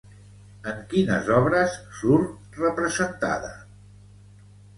En quines obres surt representada?